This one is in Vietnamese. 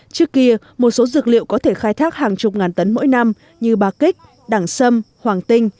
trước kia một số dược liệu có thể khai thác hàng chục ngàn tấn mỗi năm như bà kích đẳng sâm hoàng tinh